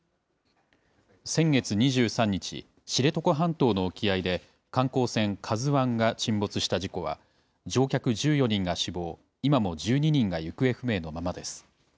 先月２３日、知床半島の沖合で観光船ＫＡＺＵＩが沈没した事故は、乗客１４人が死亡、今も１２人が行方不明のままです。